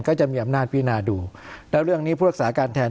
ก็จะมีอำนาจพินาดูแล้วเรื่องนี้ผู้รักษาการแทน